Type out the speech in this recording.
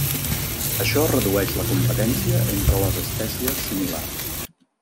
Això redueix la competència entre les espècies similars.